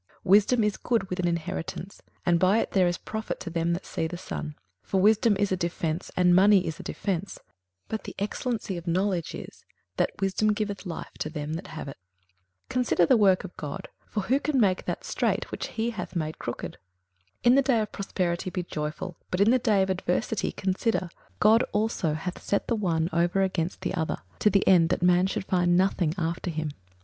21:007:011 Wisdom is good with an inheritance: and by it there is profit to them that see the sun. 21:007:012 For wisdom is a defence, and money is a defence: but the excellency of knowledge is, that wisdom giveth life to them that have it. 21:007:013 Consider the work of God: for who can make that straight, which he hath made crooked? 21:007:014 In the day of prosperity be joyful, but in the day of adversity consider: God also hath set the one over against the other, to the end that man should find nothing after him.